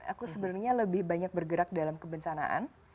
aku sebenarnya lebih banyak bergerak dalam kebencanaan